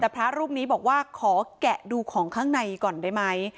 แต่พระรูปนี้บอกว่าขอแกะดูของข้างในก่อนได้ไหม